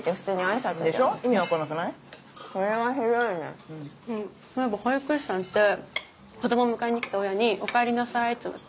そういえば保育士さんって子供迎えに来た親に「おかえりなさい」って言うんだって。